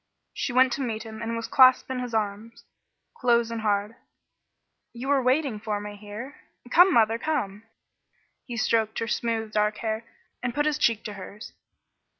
She went to meet him and was clasped in his arms, close and hard. "You were waiting for me here? Come, mother, come." He stroked her smooth, dark hair, and put his cheek to hers.